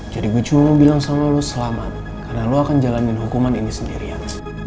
jadi gue cuma mau bilang sama lo selamat karena lo akan jalanin hukuman ini sendirian